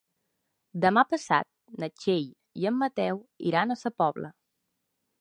Demà passat na Txell i en Mateu iran a Sa Pobla.